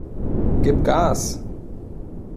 Gib Gas!